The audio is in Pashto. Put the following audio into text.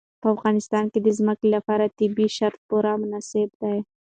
په افغانستان کې د ځمکه لپاره طبیعي شرایط پوره مناسب دي.